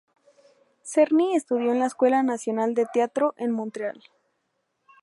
Czerny estudió en la Escuela Nacional de Teatro en Montreal.